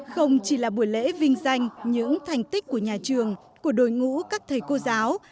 không chỉ là buổi lễ vinh danh những thành tích của nhà trường của đội ngũ các thầy cô giáo